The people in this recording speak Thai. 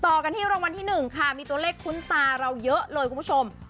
ต่อกันที่รางวัลที่๑ค่ะมีตัวเลขคุ้นตาเราเยอะเลยคุณผู้ชม